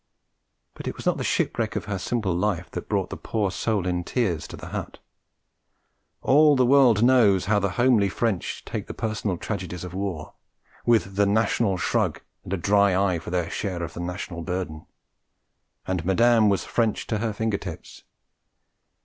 But it was not the shipwreck of her simple life that brought the poor soul in tears to the hut. All the world knows how the homely French take the personal tragedies of war, with the national shrug and a dry eye for their share of the national burden; and Madame was French to her finger tips.